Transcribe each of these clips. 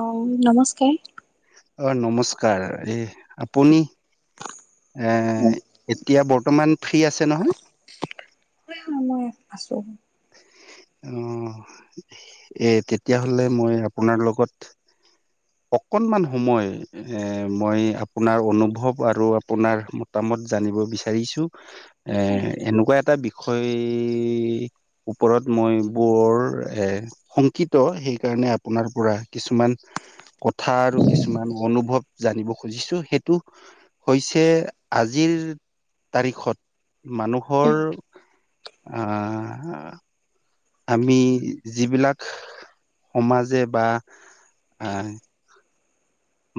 অ নমস্কাৰ অ নমস্কাৰ, এই আপুনি এ এতিয়া বৰ্তমান ফ্ৰী আছে নহয়? আছোঁ অ এ তেতিয়াহলে মই আপোনাৰ লগত অকনমান সময় এ মই আপোনাৰ অনুভৱ আৰু আপোনাৰ মতাম ত জানিব বিচাৰিছো, এ এনেকুৱা এটা বিষয় ওপৰত মই বৰ এ শংকিত সেইকাৰণে আপোনাৰ পৰা কিছুমান কথা আৰু কিছুমান অনুভৱ জানিব খুজিছো সেইটো হৈছে আজিৰ তাৰিখত মানুহৰ আহ আমি যিবিলাক সমাজে বা আহ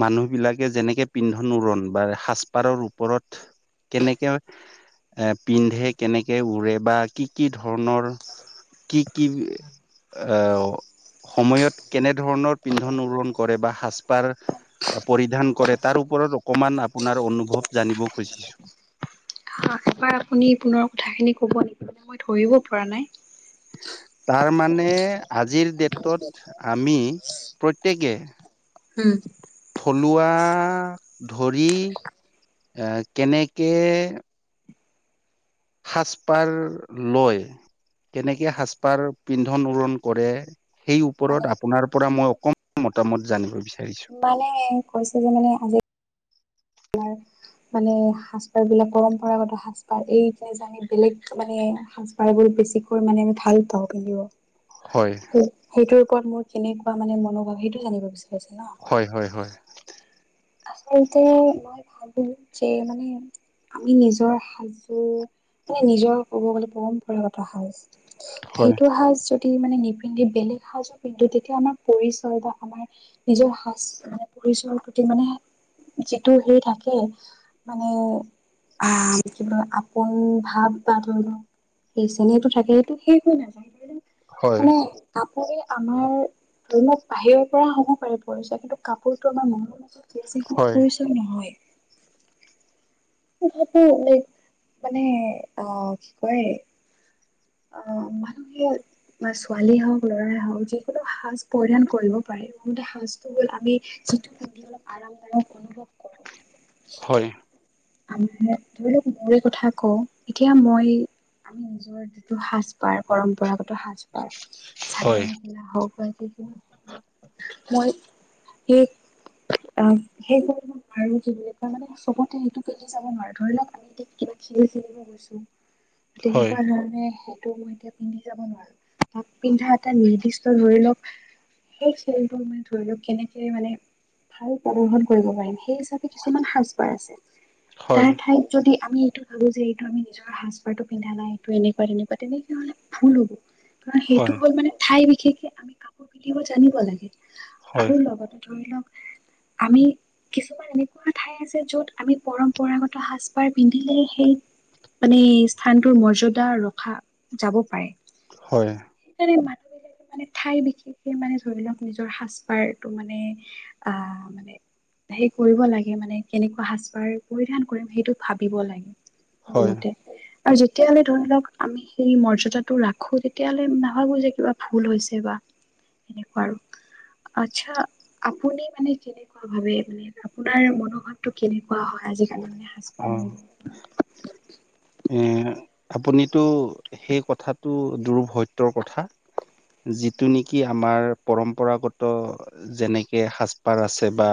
মানুহবিলাকে যেনেকে পিন্ধন উৰণ বা সাজপাৰৰ ওপৰত কেনেকে এ পিন্ধে কেনেকে উৰে বা কি কি ধৰণৰ কি কি আহ সময়ত কেনেধৰণৰ পিন্ধন উৰণ কৰে বা সাজপাৰ পৰিধান কৰে, তাৰ ওপৰত অকমান আপোনাৰ অনুভৱ জানিব খুজিছো। [unintelligible] [inaudible] এবাৰ আপুনি পুনৰ কথাখিনি কব নেকি? মই ধৰিব পৰা নাই তাৰ মানে আজিৰ ডেটত আমি প্ৰত্যেকে উম থলোৱা ধৰি এ কেনেকে সাজপাৰ লয়, কেনেকে সাজপাৰ পিন্ধন উৰন কৰে সেই মানে ওপৰত আপোনাৰ পৰা মই অকমান মতামত জানিব বিচাৰিছো মানে কৈছে যে মানে আজি মানে সাজ পাৰ বিলাক পৰম্পৰাগত সাজ পাৰ এই তে জানি বেলেগ মানে সাজ পাৰ বি বেছিকৈ মানে ভাল পাওঁ বুলিও হয় সেই সেইটোৰ ওপৰত মোৰ কেনেকুৱা মানে মনোভাৱ সেইটো জানিব বিচাৰ হয় হয় হয় আচলতে মই ভাবো যে মানে আমি নিজৰ সাজ জোৰ মানে নিজৰ কব গলে পৰম্পৰাগত সাজ হয় সেইটো সাজ যদি মানে নিবি পিন্ধি বেলেগ সাজো পিন্ধো তেতিয়া আমাৰ পৰিচয় বা আমাৰ নিজৰ সাজ মানে পৰিচয়ৰ প্ৰতি মানে যিটো হে থাকে মানে আ কি বুলি আপোন ভাব পাৰ সেই চেনেটো থাকে সটো শেষ হৈ নাযায় [unintelligible] হয় মানে কাপোৰ আমাৰ ধৰি লোক বাহিৰৰ পৰা হবপাৰে পৰিছে কিন্তু কাপোৰতটো আমাৰ। যিখিনি হয় পৰিচয় নহয়। ভটো লাইক মানে অ, কি কয়? অ, মানুহে বা ছোৱালী হওক লৰাই হওক যিকোনো সাজ পৰিধান কৰিব পাৰে। তে সাজটো হ'ল আমি যিটো পিন্ধি অলপ আৰাম দায়ক অনুভৱ কৰো। হয়। আ ধৰি লওক মোৰে কথা কওঁ এতিয়া মই আমি নিজৰ যিটো সাজ পাৰ পৰম্পৰাগত সাজ পাৰ চাদৰ হয় মেখেলা হওক বা এতি [unintelligible] মই স সেই কৰিব পাৰো কি বুলি মানে চবতে সেইটো [unintelligible] লি যাব নোৱাৰো ধৰি লওক আমি এতিয়া কিবা খেল খেলিব গৈছো হয় তেনেকুৱা ধৰণে [unintelligible] মই এতিয়া পিন্ধি যাব নোৱাৰো তাক পিন্ধা এটা নিৰ্দিষ্ট ধৰি লওক সেই খেলটোৰ মানে ধৰি লওক কেনেকে মানে ভাল প্ৰদৰ্শন কৰিব পাৰিম সেই [unintelligible] কিছুমান সাজ পাৰ আছে হয় তাৰ ঠাইত যদি আমি এইটো ভাবো যে এইটো আমি নিজৰ সাজ পাৰটো পিন্ধা না এইটো এনেকুৱা তেনেকুৱা তেনেকে হলে ভুল হ'ব [unintelligible] কাৰণ সেইটো হয় হ'ল মানে ঠাই বিশেষকে আমি কাপোৰ পিন্ধিব জানিব লাগে [unintelligible] হয় আৰু লগতে ধৰি লওক আমি কিছুমান এনেকুৱা ঠাই আছে য'ত আমি পৰম্পৰাগত সাজ পাৰ পিন্ধিলে সেই মানে স্থানটোৰ মৰ্যদা ৰখা যাব পাৰে হয় সেইকাৰণে ম [unintelligible] [inaudible] ঠাই বিশেষে মানে ধৰি লওক নিজৰ সাজ পাৰটো মানে আহ মানে। সে কৰিব লাগে মানে কেনেকুৱা সাজ পাৰ পৰিধান কৰিম সেইটো ভাবিব লাগে মোৰ হয় মতে। আৰু যেতিয়াহলে ধৰি লওক আমি সেই মৰ্যদাটো ৰাখো তেতিয়াহ'লে নাভাবো যে কিবা ভুল হৈছে বা সেনেকুৱা আৰু। আচ্ছা আপুনি মানে কেনেকুৱা ভাবে মানে আপোনাৰ মনোভাৱটো কেনেকুৱা পোৱা হয় আজিকালি মানে সাজ অ পাৰ। এ আপুনিতো সেই কথাটো দুৰভত্যৰ কথা যিটো নেকি আমাৰ পৰম্পৰাগত যেনেকে সাজপাৰ আছে বা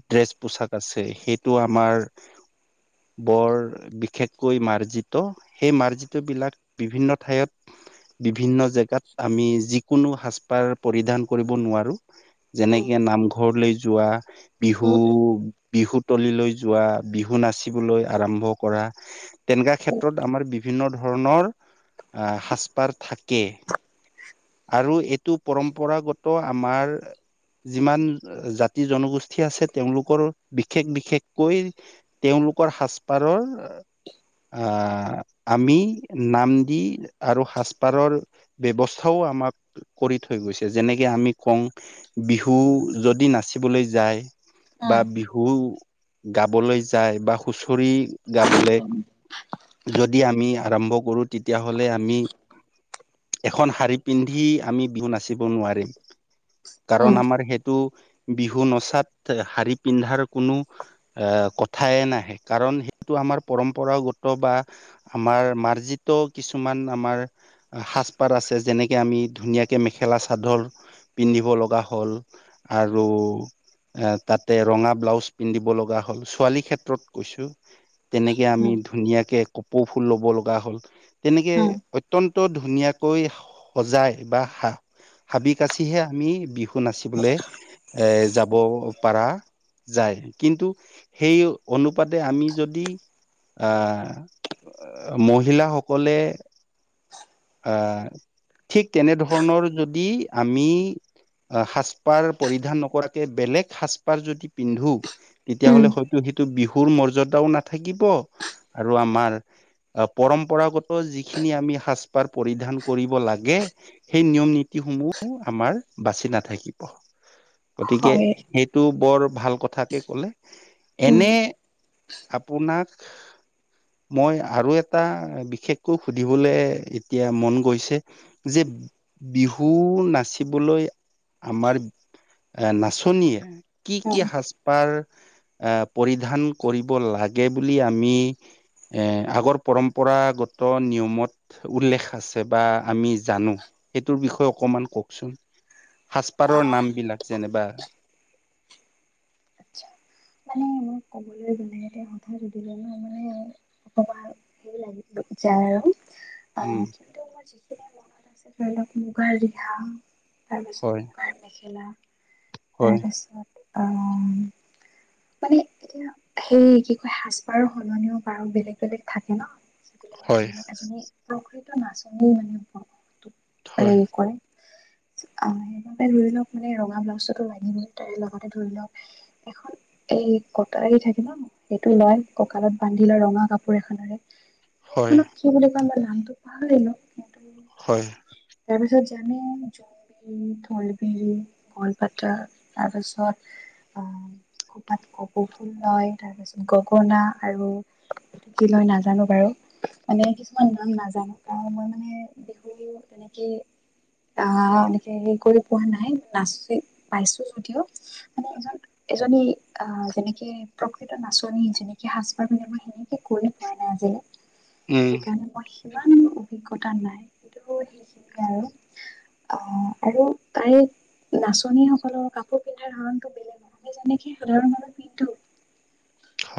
ড্ৰেছ পোচাক আছে সেইটো আমাৰ বৰ বিশেষকৈ মাৰ্জিত সেই মাৰ্জিত বিলাক বিভিন্ন ঠাইত বিভিন্ন জেগাত আমি যিকোনো সাজ পাৰ পৰিধান কৰিব নোৱাৰো উম যেনেকে নামঘৰলৈ যোৱা উম বিহু-বিহু তলী লৈ যোৱা যোৱা বিহু নাচিবলৈ আৰম্ভ কৰা তেনেকুৱা উম ক্ষেত্ৰত আমাৰ বিভিন্ন ধৰণৰ আহ, সাজপাৰ থাকে। আৰু এইটো পৰম্পৰাগত আমাৰ যিমান জাতি জনগোষ্ঠী আছে তেওঁলোকৰ বিশেষ-বিশেষ কৈ তেওঁলোকৰ সাজপাৰৰ আহ, আমি নাম দি আৰু সাজপাৰৰ ব্যৱস্থাও আমাক কৰি থৈ গৈছে যেনেকে আমি কও বিহু যদি নাচিবলৈ যায়। বা বিহু গাবলৈ যায় বা হুচৰি গাবলৈ যদি আমি আৰম্ভ কৰো তেতিয়াহলে আমি এখন শাৰী পিন্ধি আমি বিহু নাচিব নোৱাৰিম। কাৰণ উম আমাৰ সেইটো বিহু নচাত শাৰী পিন্ধাৰ কোনো এ কথাই নাহে কাৰণ সেইটো আমাৰ পৰম্পৰাগত বা আমাৰ ম আৰ্জিত কিছুমান আমাৰ সাজপাৰ আছে যেনেকে আমি ধুনীয়াকে মেখেলা চাদৰ পিন্ধিব লগি হল আৰু এ তাতে ৰঙা ব্লাউজ পিন্ধিব লগা হ'ল ছোৱালীৰ ক্ষেত্ৰত কৈছো তেনেকে আমি উম ধুনীয়াকে কপৌ ফুল ল'ব লগা হ'ল তেনেকে উম অত্যন্ত ধুনীয়াকৈ সজাই বা হাহ হাবি কাচিহে আমি বিহু নাচিবলৈ এ যাব পাৰা যায় কিন্তু সেই অনুপাতে আমি যদি আহ মহিলা সকলে আহ ঠিক তেনেধৰণৰ যদি আমি সাজপাৰ পৰিধান নকৰাকে বেলেগ সাজপাৰ যদি পিন্ধো উম তেতিয়াহলে হয়তো সেইটো বিহুৰ মৰ্যদাও নাথাকিব আৰু আমাৰ পৰম্পৰাগত যিখিনি আমি সাজ পাৰ পৰিধান কৰিব লাগে সেই নিয়ম নীতি সমূহ আমাৰ বাচি নাথাকিব। গতিকে হয় সেইটো বৰ ভাল কথাকে কলে উম এনে। আপোনাক মই আৰু এটা বিশেষকৈ সুধিবলৈ এতিয়া মন গৈছে যে বিহু নাচিবলৈ আমাৰ এ নাচনীয়ে কি- উম কি সাজপাৰ এ পৰিধান কৰিব লাগে বুলি আমি এ আগৰ পৰম্পৰাগত নিয়মত উল্লেখ আছে বা আমি জানো সেইটোৰ বিষয়ে অকমান কওকচোন? সাজপাৰৰ নামবিলাক যেনবা আচ্ছা মানে [unintelligible] ন মানে আৰু যায় উম কিন্তু মই মনত আছে ধৰি লওক মুগাৰ ৰিহা তাৰপিছত হয় মুগাৰ মেখেলা হয় তাৰপিছত আহ মানে এ সেই কি কয় সাজপাৰৰ সলনিও বাৰু বেলেগ বেলেগ থাকে ন বিলাকে হয় ধৰি লওক এজনী প্ৰকৃত নাচনি মানে হয় হেই কৰে [inaudible] অ এনে ধৰি লওক মানে ৰঙা ব্লাউজো লাগিবৈ তাৰ লগতে ধৰি লওক এখন এ এই কটাৰি থাকিল ন সেইটো লয় ককালত বান্ধি লোৱা ৰঙা কাপোৰ এখনেৰে হয় সেইখনক কি বুলি কয় মই নামটো পাহালি থাকিলোঁ কিন্তু হয় তাৰপিছত যেনে জোনবিৰি ঢোলবিৰি গলপাতা তাৰপিছত খোপাত কপৌ ফুল লয় তাৰপিছত গগনা আৰু কি লয় নাজানো বাৰু মানে কিছুমান নাম নাজানো আৰু মই মানে বিহু তেনেকে আহ এনেকে হেৰি কৰি পোৱা নাই নাচি পাইছো যদিও মানে এজন এজনী আহ যেনেকে প্ৰকৃত নাচনী যেনেকে সাজ পাৰ বুলি মই সেনেকে কৈ পোৱা নাই আজিলে উম সেইকাৰণে মই সিমান অভিজ্ঞতা নাই কিন্তু সেইখিনিয়ে আৰু অ আৰু তাৰে নাচনী সকলৰ কাপোৰ পিন্ধাৰ কাৰণতটো বেলেগ নহয় যেনেকে সাধাৰণ মানুহ পিন্ধো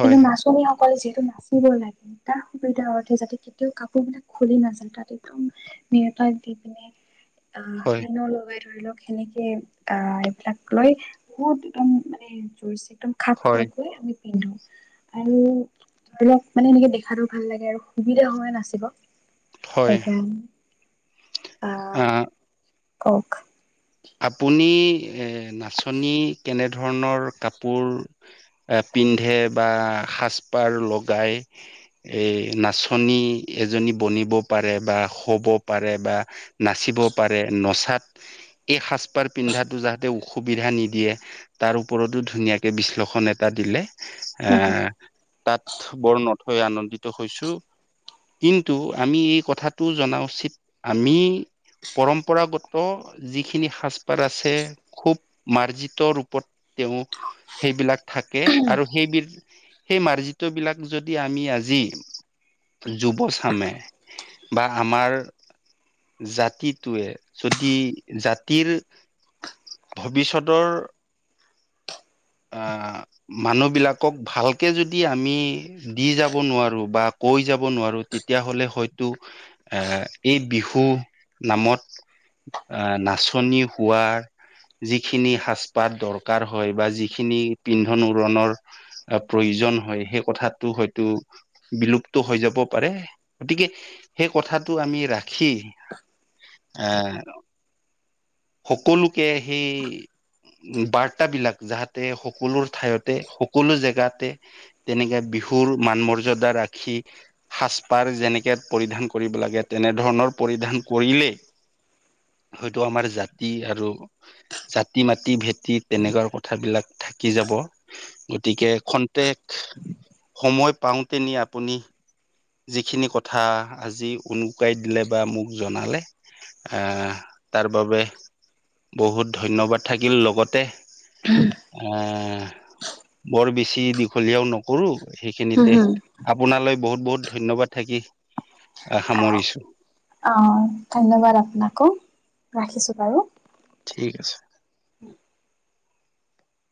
কিন্তু নাচনীসকলে যিহেতু নাচিব লাগে [unintelligible] যাতে কেতিয়াও কাপোৰ বিলাক খুলি নাযায় তাত একদম মেতাই দি পিনে অ প হয় [unintelligible] ধৰি লওক সেনেকে আহ এইবিলাক লৈ বহুত একদম মানে জ একদম খাপ হয় খোৱাকৈ আমি পিন্ধো আৰু ধৰক মানে এনেকে দেখাটো ভাল লাগে আৰু সুবিধা সময়ে নাচিব হয় এখন আ আহ কক আপুনি এ নাচনী কেনেধৰণৰ কাপোৰ এ পিন্ধে বা সাজপাৰ লগাই এই নাচনী এজনী বনিব পাৰে বা শ'ব পাৰে বা নাচিব পাৰে নচাত এই সাজ পাৰ পিন্ধাটো যাতে উ। সুবিধা নিদিয়ে তাৰ ওপৰতো ধুনীয়াকৈ বিশ্লেষণ এটা দিলে। এ হুম তাত বৰ নথৈ আনন্দিত হৈছো। কিন্তু আমি এই কথাটো জনা উচিত আমি। পৰম্পৰাগত। যিখিনি সাজপাৰ আছে খুব মাৰ্জিত ৰূপত তেওঁ সেইবিলাক। থাকে আৰু সেই বি সেই মাৰ্জিত বিলাক যদি আমি আজি। যুৱচামে বা আমাৰ জাতিটোৱে যদি জাতিৰ ভৱিষ্যতৰ অ মানুহ বিলাকক ভালকে যদি আমি দি যাব নোৱাৰো বা কৈ যাব নোৱাৰো তেতিয়া হলে হয়তো এ এই বিহু নামত অ নাচনি হোৱাৰ যিখিনি সাজ পাৰ দৰকাৰ হয় বা যি যিখিনি পিন্ধন উৰনৰ প্ৰয়োজন হয় সেই কথাটো হয়তো বিলুপ হৈ যাব পাৰে গতিকে সেই কথাটো আমি ৰাখি অহ সকলোকে সেই বাৰ্তা বিলাক যাতে সকলো ঠাইতে সকলো জেগাতে তেনেকে বিহুৰ মান মৰ্যদা ৰাখি সাজপাৰ যেনেকে পৰিধান কৰিব লাগে তেনেধৰণৰ পৰিধান কৰিলে হয়তো আমাৰ জাতি আৰু জাতি মাতি ভেটি তেনেকুৱা কথাবিলাক থাকি যাব গতিকে খন্তেক। সময় পাওঁতে নি আপুনি। যিখিনি কথা আজি উনকাই দিলে বা মোক জনালে আহ। তাৰ বাবে বহুত ধন্যবাদ থাকিল লগতে। এ বৰ বেছি দীঘলীয়াও নকৰো। সেইখিনিতে হুম। আপোনালৈ বহুত বহুত ধন্যবাদ থাকি আহ সামৰিছো। অ ধন্যবাদ আপোনাকো ৰাখিছো বাৰু ঠিক আছে।